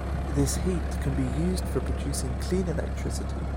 This heat can be used for producing clean electricity.